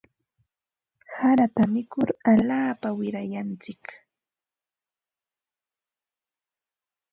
Harata mikur alaapa wirayantsik.